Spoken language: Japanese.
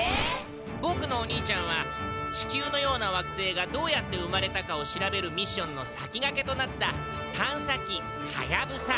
ボクのお兄ちゃんは地球のような惑星がどうやって生まれたかを調べるミッションの先がけとなった探査機はやぶさ。